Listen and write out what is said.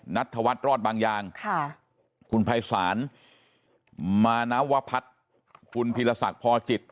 นัทธวัฒน์รอดบางอย่างคุณภัยศาลมานวพัฒน์คุณพีรศักดิ์พอจิต